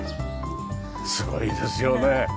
すごいですよね。